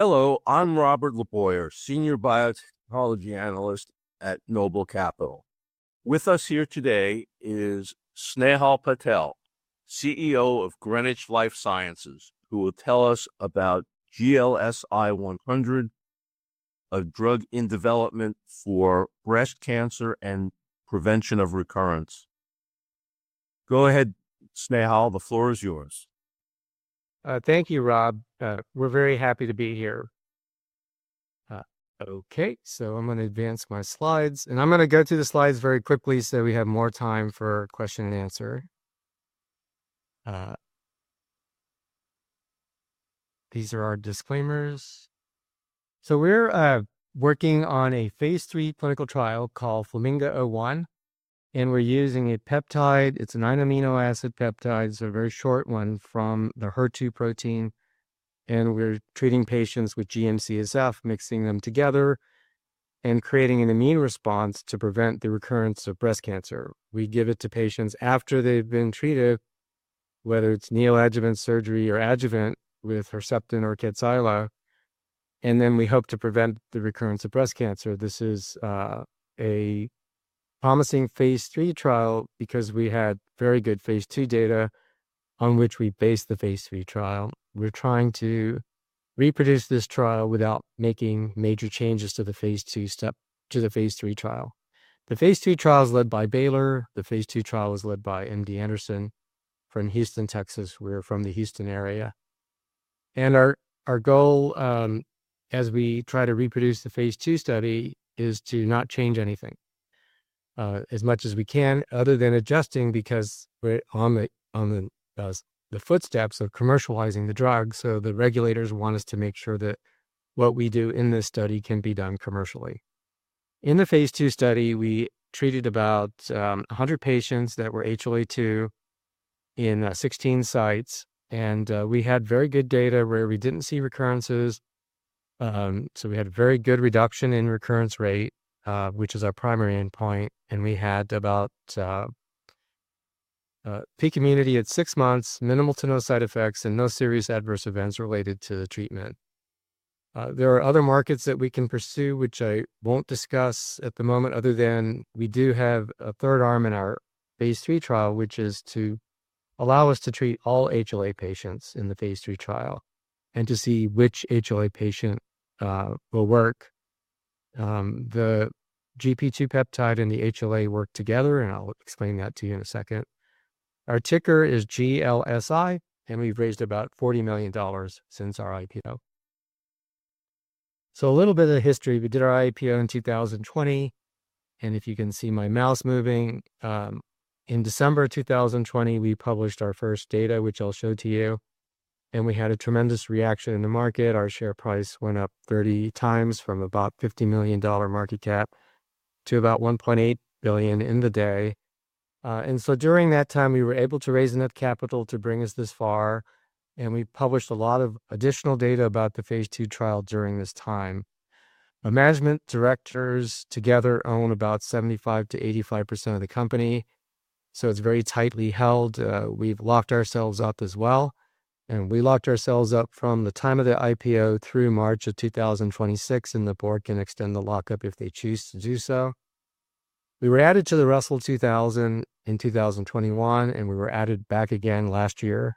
Hello, I'm Robert LeBoyer, Senior Biotechnology Analyst at Noble Capital. With us here today is Snehal Patel, CEO of Greenwich LifeSciences, who will tell us about GLSI-100, a drug in development for breast cancer and prevention of recurrence. Go ahead, Snehal. The floor is yours. Thank you, Rob. We're very happy to be here. I'm going to advance my slides. I'm going to go through the slides very quickly so we have more time for question and answer. These are our disclaimers. We're working on a phase III clinical trial called FLAMINGO-01, and we're using a peptide. It's a 9 amino acid peptide, it's a very short one from the HER2 protein. We're treating patients with GM-CSF, mixing them together and creating an immune response to prevent the recurrence of breast cancer. We give it to patients after they've been treated, whether it's neoadjuvant surgery or adjuvant with Herceptin or Kadcyla. We hope to prevent the recurrence of breast cancer. This is a promising phase III trial because we had very good phase II data on which we based the phase III trial. We're trying to reproduce this trial without making major changes to the phase II trial. The phase II trial is led by Baylor. The phase II trial was led by MD Anderson from Houston, Texas. We're from the Houston area. Our goal, as we try to reproduce the phase II study, is to not change anything as much as we can other than adjusting because we're on the footsteps of commercializing the drug. The regulators want us to make sure that what we do in this study can be done commercially. In the phase II study, we treated about 100 patients that were HLA-A2 in 16 sites. We had very good data where we didn't see recurrences. We had very good reduction in recurrence rate, which is our primary endpoint. We had about peak immunity at 6 months, minimal to no side effects, and no serious adverse events related to the treatment. There are other markets that we can pursue, which I won't discuss at the moment other than we do have a 3rd arm in our phase III trial, which is to allow us to treat all HLA patients in the phase III trial and to see which HLA patient will work. The GP2 peptide and the HLA work together, and I'll explain that to you in a second. Our ticker is GLSI, and we've raised about $40 million since our IPO. A little bit of the history. We did our IPO in 2020. If you can see my mouse moving, in December 2020, we published our first data, which I'll show to you, and we had a tremendous reaction in the market. Our share price went up 30 times from about $50 million market cap to about $1.8 billion in the day. During that time, we were able to raise enough capital to bring us this far, and we published a lot of additional data about the phase II trial during this time. The management directors together own about 75%-85% of the company, so it's very tightly held. We've locked ourselves up as well, and we locked ourselves up from the time of the IPO through March of 2026, and the board can extend the lockup if they choose to do so. We were added to the Russell 2000 in 2021, and we were added back again last year,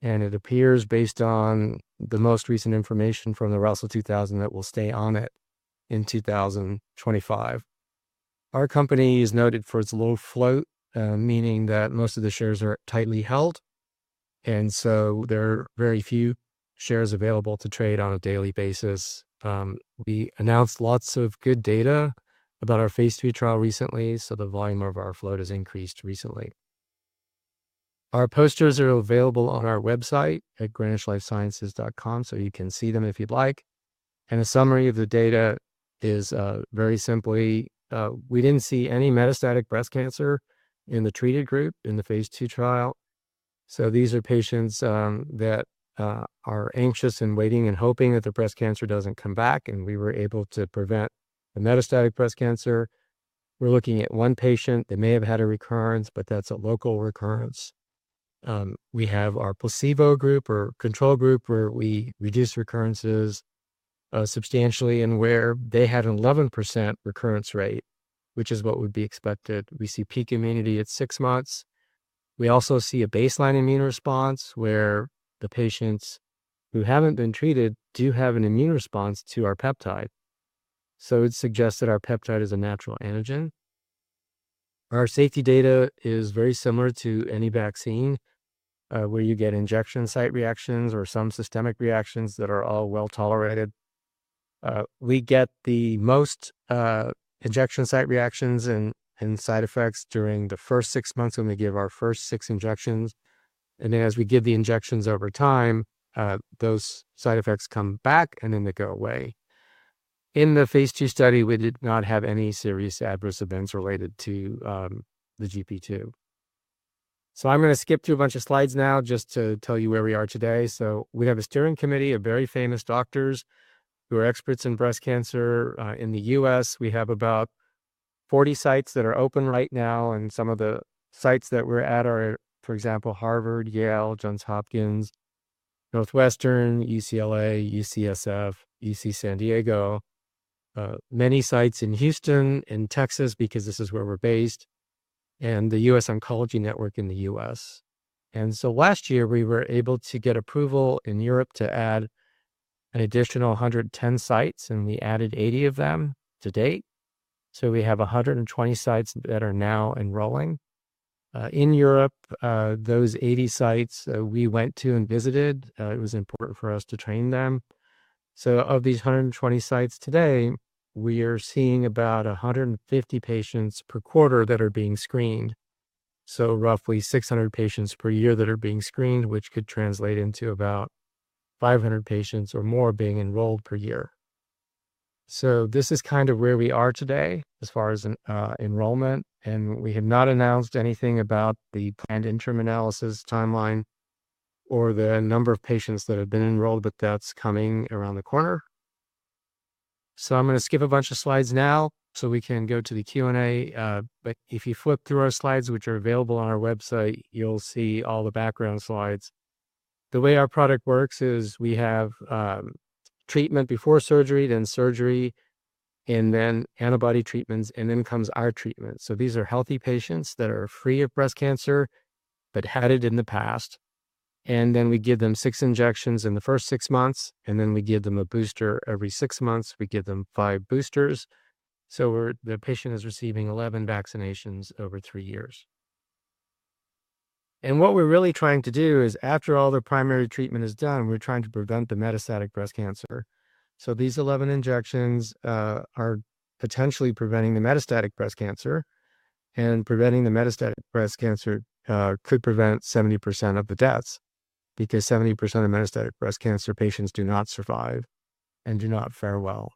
and it appears, based on the most recent information from the Russell 2000, that we'll stay on it in 2025. Our company is noted for its low float, meaning that most of the shares are tightly held. There are very few shares available to trade on a daily basis. We announced lots of good data about our phase II trial recently. The volume of our float has increased recently. Our posters are available on our website at greenwichlifesciences.com, so you can see them if you'd like. A summary of the data is very simply, we didn't see any metastatic breast cancer in the treated group in the phase II trial. These are patients that are anxious and waiting and hoping that their breast cancer doesn't come back, and we were able to prevent the metastatic breast cancer. We're looking at one patient that may have had a recurrence, but that's a local recurrence. We have our placebo group or control group where we reduce recurrences substantially and where they had an 11% recurrence rate, which is what would be expected. We see peak immunity at six months. We also see a baseline immune response where the patients who haven't been treated do have an immune response to our peptide. It suggests that our peptide is a natural antigen. Our safety data is very similar to any vaccine, where you get injection site reactions or some systemic reactions that are all well tolerated. We get the most injection site reactions and side effects during the first six months when we give our first six injections, and then as we give the injections over time, those side effects come back, and then they go away. In the phase II study, we did not have any serious adverse events related to the GP2. I'm going to skip through a bunch of slides now just to tell you where we are today. We have a steering committee of very famous doctors who are experts in breast cancer in the U.S. We have about 40 sites that are open right now, and some of the sites that we're at are, for example, Harvard, Yale, Johns Hopkins, Northwestern, UCLA, UCSF, UC San Diego, many sites in Houston in Texas, because this is where we're based, and The US Oncology Network in the U.S. Last year, we were able to get approval in Europe to add an additional 110 sites, and we added 80 of them to date. We have 120 sites that are now enrolling. In Europe, those 80 sites we went to and visited. It was important for us to train them. Of these 120 sites today, we are seeing about 150 patients per quarter that are being screened. Roughly 600 patients per year that are being screened, which could translate into about 500 patients or more being enrolled per year. This is kind of where we are today as far as enrollment, and we have not announced anything about the planned interim analysis timeline or the number of patients that have been enrolled, but that's coming around the corner. I'm going to skip a bunch of slides now so we can go to the Q&A, but if you flip through our slides, which are available on our website, you'll see all the background slides. The way our product works is we have treatment before surgery, then surgery, and then antibody treatments, and then comes our treatment. These are healthy patients that are free of breast cancer, but had it in the past. We give them six injections in the first six months, then we give them a booster every six months. We give them five boosters. The patient is receiving 11 vaccinations over three years. What we're really trying to do is, after all the primary treatment is done, we're trying to prevent the metastatic breast cancer. These 11 injections are potentially preventing the metastatic breast cancer, and preventing the metastatic breast cancer could prevent 70% of the deaths, because 70% of metastatic breast cancer patients do not survive and do not fare well.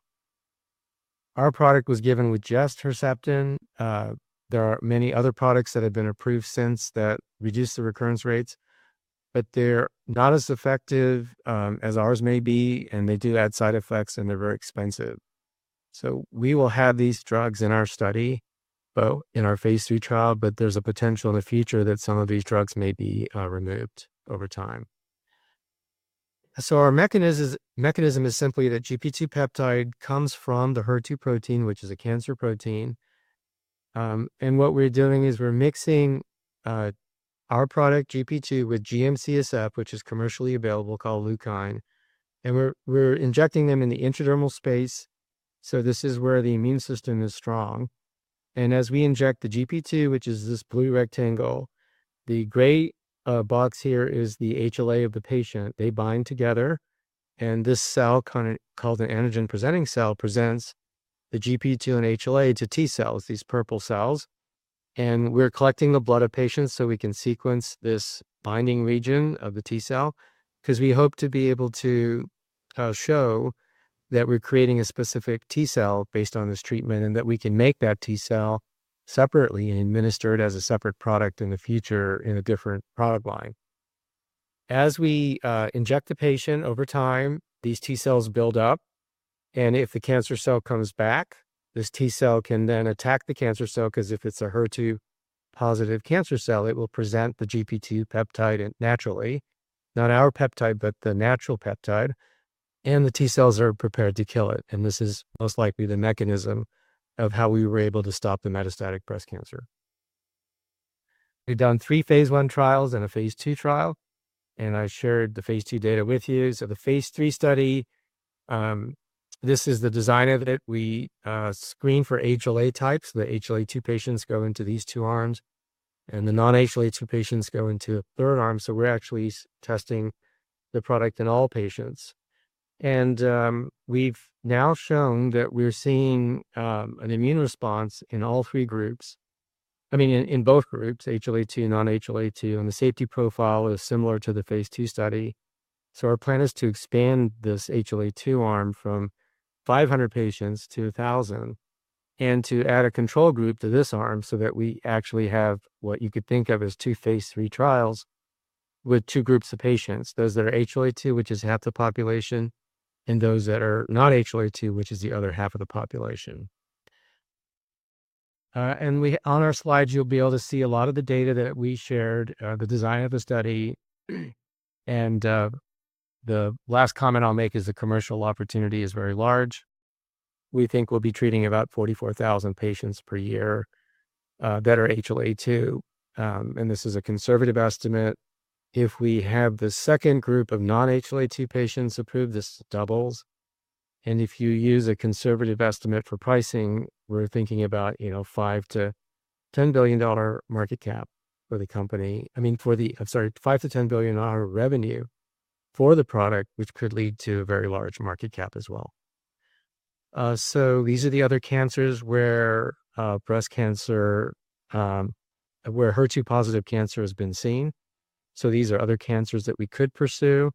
Our product was given with just Herceptin. There are many other products that have been approved since that reduce the recurrence rates, but they're not as effective as ours may be. They do add side effects, and they're very expensive. We will have these drugs in our study, both in our Phase II trial, but there's a potential in the future that some of these drugs may be removed over time. Our mechanism is simply that GP2 peptide comes from the HER2 protein, which is a cancer protein. What we're doing is we're mixing our product, GP2, with GM-CSF, which is commercially available, called LEUKINE, and we're injecting them in the intradermal space. This is where the immune system is strong. As we inject the GP2, which is this blue rectangle, the gray box here is the HLA of the patient. They bind together, this cell, called an antigen-presenting cell, presents the GP2 and HLA to T-cells, these purple cells. We're collecting the blood of patients so we can sequence this binding region of the T-cell, because we hope to be able to show that we're creating a specific T-cell based on this treatment, and that we can make that T-cell separately and administer it as a separate product in the future in a different product line. As we inject the patient, over time, these T-cells build up, if the cancer cell comes back, this T-cell can then attack the cancer cell, because if it's a HER2 positive cancer cell, it will present the GP2 peptide naturally. Not our peptide, but the natural peptide. The T-cells are prepared to kill it, and this is most likely the mechanism of how we were able to stop the metastatic breast cancer. We've done 3 phase I trials and a phase II trial, and I shared the phase II data with you. The phase III study, this is the design of it. We screen for HLA types. The HLA-A2 patients go into these 2 arms, and the non-HLA-A2 patients go into a third arm. We're actually testing the product in all patients. We've now shown that we're seeing an immune response in all 3 groups. I mean, in both groups, HLA-A2 and non-HLA-A2, and the safety profile is similar to the phase II study. Our plan is to expand this HLA-A2 arm from 500 patients to 1,000 and to add a control group to this arm so that we actually have what you could think of as 2 phase III trials with 2 groups of patients, those that are HLA-A2, which is half the population, and those that are not HLA-A2, which is the other half of the population. On our slides, you'll be able to see a lot of the data that we shared, the design of the study. The last comment I'll make is the commercial opportunity is very large. We think we'll be treating about 44,000 patients per year that are HLA-A2, and this is a conservative estimate. If we have the second group of non-HLA-A2 patients approved, this doubles. If you use a conservative estimate for pricing, we're thinking about $5 billion-$10 billion market cap for the company. I'm sorry, $5 billion-$10 billion revenue for the product, which could lead to a very large market cap as well. These are the other cancers where HER2-positive cancer has been seen. These are other cancers that we could pursue.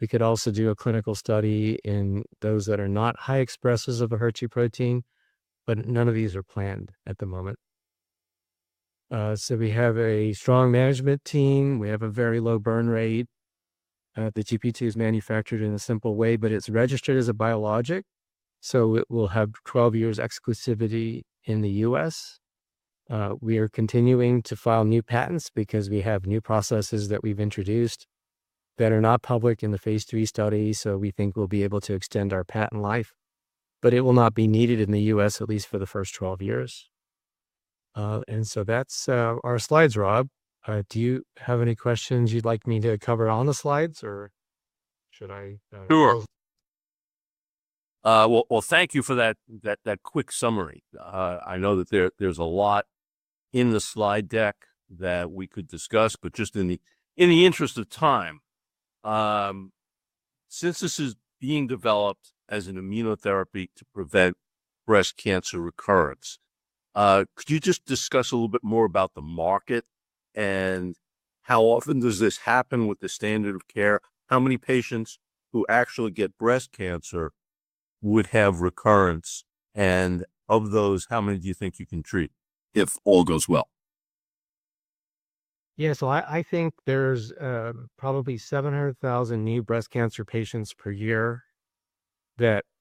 We could also do a clinical study in those that are not high expressers of a HER2 protein, but none of these are planned at the moment. We have a strong management team. We have a very low burn rate. The GP2 is manufactured in a simple way, but it's registered as a biologic, so it will have 12 years exclusivity in the U.S. We are continuing to file new patents because we have new processes that we've introduced that are not public in the phase III study. We think we'll be able to extend our patent life, but it will not be needed in the U.S., at least for the first 12 years. That's our slides, Rob. Do you have any questions you'd like me to cover on the slides, or should I Thank you for that quick summary. I know that there's a lot in the slide deck that we could discuss, but just in the interest of time, since this is being developed as an immunotherapy to prevent breast cancer recurrence, could you just discuss a little bit more about the market and how often does this happen with the standard of care? How many patients who actually get breast cancer would have recurrence, and of those, how many do you think you can treat if all goes well? I think there's probably 700,000 new breast cancer patients per year,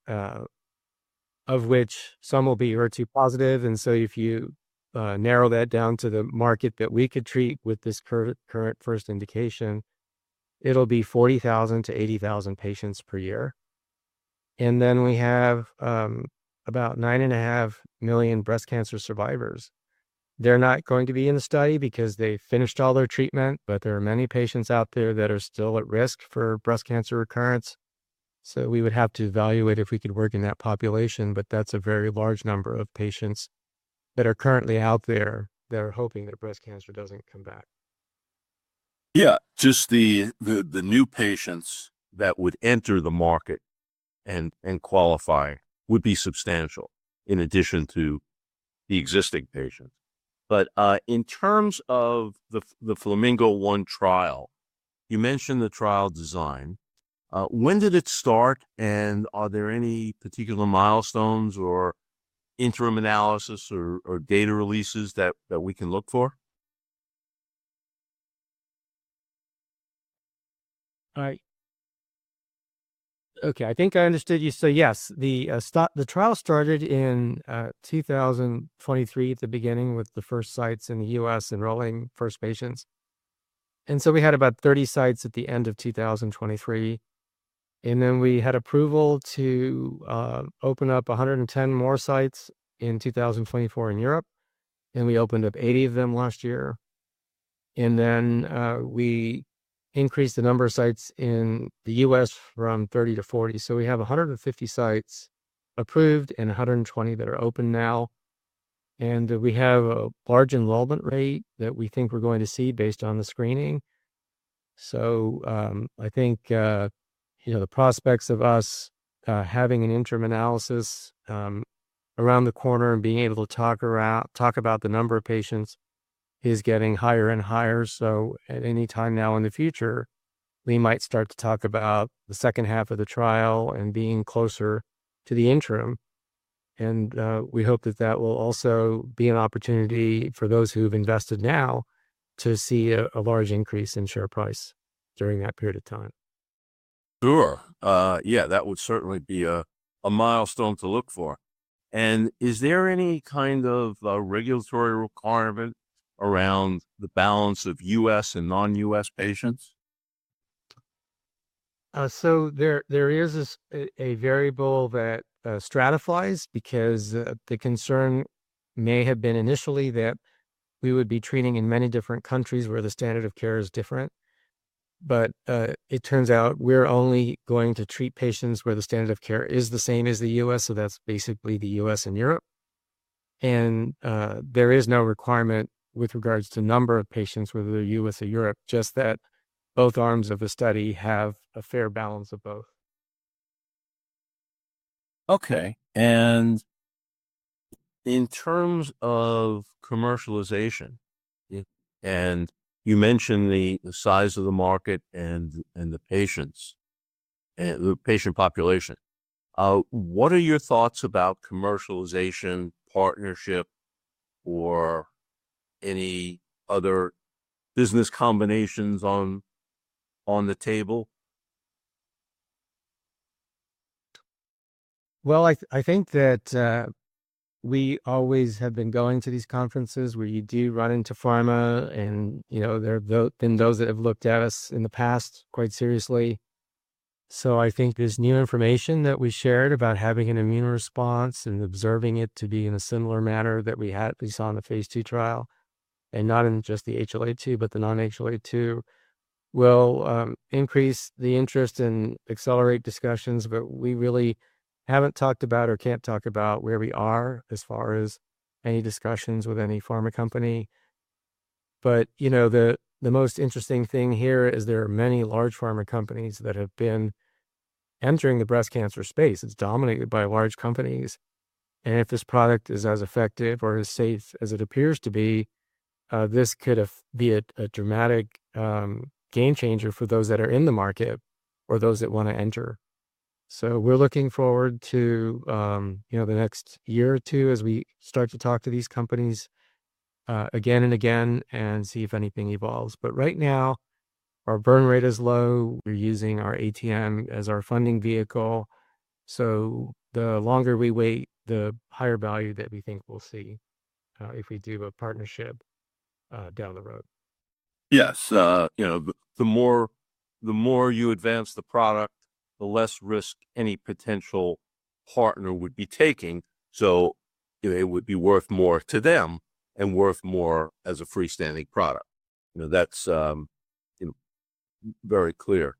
of which some will be HER2 positive. If you narrow that down to the market that we could treat with this current first indication, it'll be 40,000-80,000 patients per year. We have about 9.5 million breast cancer survivors. They're not going to be in the study because they've finished all their treatment, but there are many patients out there that are still at risk for breast cancer recurrence. We would have to evaluate if we could work in that population, but that's a very large number of patients that are currently out there that are hoping their breast cancer doesn't come back. Just the new patients that would enter the market and qualify would be substantial, in addition to the existing patients. In terms of the FLAMINGO-01 trial, you mentioned the trial design. When did it start, and are there any particular milestones or interim analysis or data releases that we can look for? I think I understood you. Yes, the trial started in 2023 at the beginning with the first sites in the U.S. enrolling first patients. We had about 30 sites at the end of 2023. We had approval to open up 110 more sites in 2024 in Europe, and we opened up 80 of them last year. We increased the number of sites in the U.S. from 30-40. We have 150 sites approved and 120 that are open now. We have a large enrollment rate that we think we're going to see based on the screening. I think the prospects of us having an interim analysis around the corner and being able to talk about the number of patients is getting higher and higher. At any time now in the future, we might start to talk about the second half of the trial and being closer to the interim. We hope that that will also be an opportunity for those who've invested now to see a large increase in share price during that period of time. Sure. Yeah, that would certainly be a milestone to look for. Is there any kind of regulatory requirement around the balance of U.S. and non-U.S. patients? There is a variable that stratifies because the concern may have been initially that we would be treating in many different countries where the standard of care is different. But it turns out we're only going to treat patients where the standard of care is the same as the U.S., that's basically the U.S. and Europe. There is no requirement with regards to number of patients, whether they're U.S. or Europe, just that both arms of the study have a fair balance of both. Okay. In terms of commercialization, and you mentioned the size of the market and the patients, the patient population. What are your thoughts about commercialization, partnership, or any other business combinations on the table? I think that we always have been going to these conferences where you do run into pharma, and there have been those that have looked at us in the past quite seriously. I think this new information that we shared about having an immune response and observing it to be in a similar manner that we saw in the phase II trial, and not in just the HLA-A2, but the non-HLA-A2, will increase the interest and accelerate discussions. We really haven't talked about or can't talk about where we are as far as any discussions with any pharma company. The most interesting thing here is there are many large pharma companies that have been entering the breast cancer space. It's dominated by large companies, if this product is as effective or as safe as it appears to be, this could be a dramatic game changer for those that are in the market or those that want to enter. We're looking forward to the next year or two as we start to talk to these companies again and again and see if anything evolves. Right now, our burn rate is low. We're using our ATM as our funding vehicle, the longer we wait, the higher value that we think we'll see if we do a partnership down the road. Yes. The more you advance the product, the less risk any potential partner would be taking, it would be worth more to them and worth more as a freestanding product. That's very clear.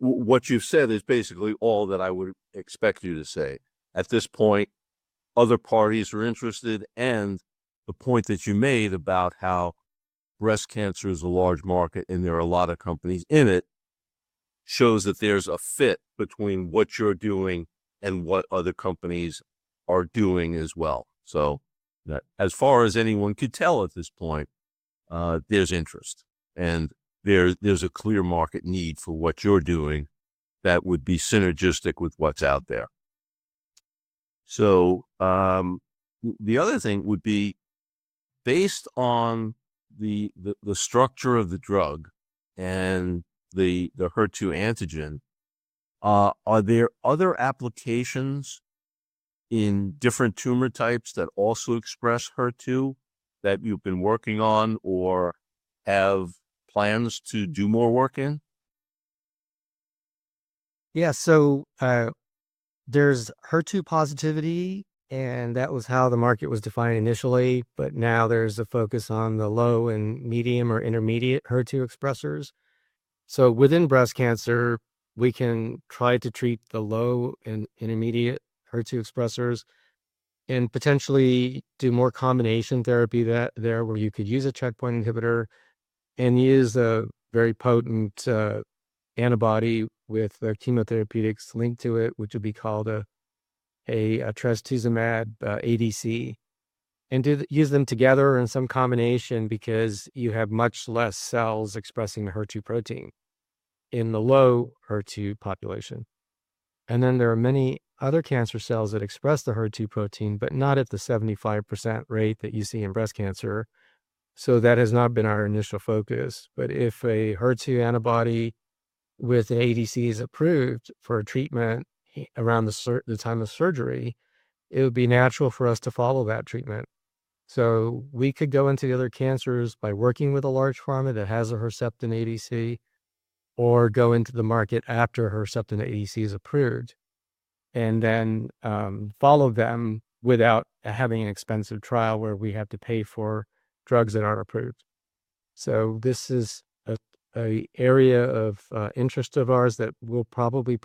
What you've said is basically all that I would expect you to say. At this point, other parties are interested, the point that you made about how breast cancer is a large market and there are a lot of companies in it, shows that there's a fit between what you're doing and what other companies are doing as well. As far as anyone could tell at this point, there's interest, there's a clear market need for what you're doing that would be synergistic with what's out there. The other thing would be based on the structure of the drug and the HER2 antigen, are there other applications in different tumor types that also express HER2 that you've been working on or have plans to do more work in? Yeah. There's HER2 positivity. That was how the market was defined initially. Now there's a focus on the low and medium or intermediate HER2 expressers. Within breast cancer, we can try to treat the low and intermediate HER2 expressers, and potentially do more combination therapy there, where you could use a checkpoint inhibitor and use a very potent antibody with chemotherapeutics linked to it, which would be called a trastuzumab ADC, and use them together in some combination because you have much less cells expressing the HER2 protein in the low HER2 population. There are many other cancer cells that express the HER2 protein, but not at the 75% rate that you see in breast cancer. That has not been our initial focus. If a HER2 antibody with ADCs approved for a treatment around the time of surgery, it would be natural for us to follow that treatment. We could go into the other cancers by working with a large pharma that has a Herceptin ADC, or go into the market after Herceptin ADC is approved, follow them without having an expensive trial where we have to pay for drugs that aren't approved. This is an area of interest of ours that we'll probably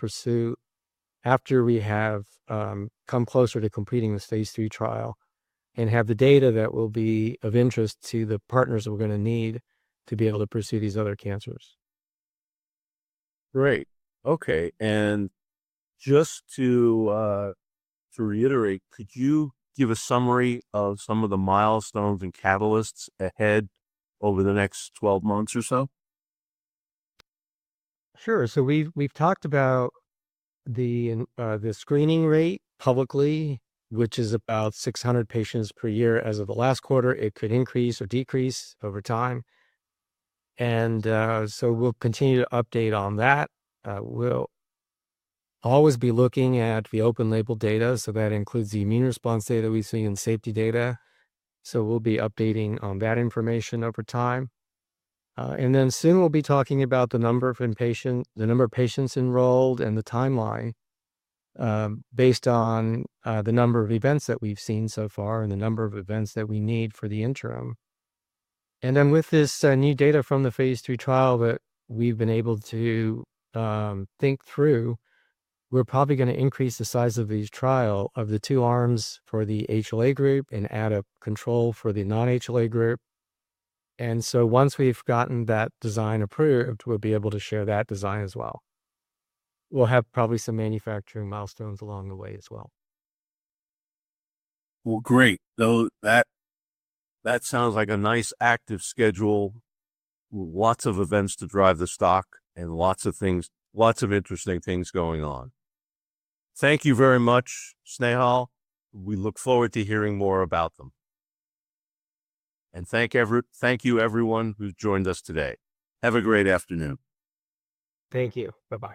pursue after we have come closer to completing the phase III trial and have the data that will be of interest to the partners that we're going to need to be able to pursue these other cancers. Great. Okay. Just to reiterate, could you give a summary of some of the milestones and catalysts ahead over the next 12 months or so? Sure. We've talked about the screening rate publicly, which is about 600 patients per year as of the last quarter. It could increase or decrease over time. We'll continue to update on that. We'll always be looking at the open label data. That includes the immune response data we've seen and safety data. We'll be updating on that information over time. Soon we'll be talking about the number of patients enrolled and the timeline based on the number of events that we've seen so far and the number of events that we need for the interim. With this new data from the phase III trial that we've been able to think through, we're probably going to increase the size of each trial of the two arms for the HLA group and add a control for the non-HLA group. Once we've gotten that design approved, we'll be able to share that design as well. We'll have probably some manufacturing milestones along the way as well. Well, great. That sounds like a nice active schedule. Lots of events to drive the stock and lots of interesting things going on. Thank you very much, Snehal. We look forward to hearing more about them. Thank you everyone who joined us today. Have a great afternoon. Thank you. Bye-bye.